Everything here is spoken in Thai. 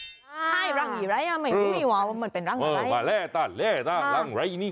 ใช่รังไหร่อ่ะไม่รู้อีกว่าว่าเหมือนเป็นรังไหร่